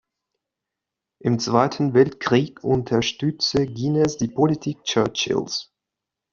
Im Zweiten Weltkrieg unterstützte Guinness die Politik Churchills.